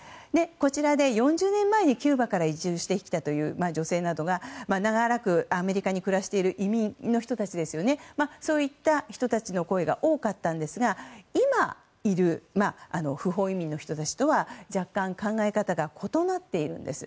こちらで４０年前にキューバから移住してきたという女性などが、長らくアメリカに暮らしている移民そういった人たちの声が多かったんですが今いる不法移民の人たちとは若干、考え方が異なっているんです。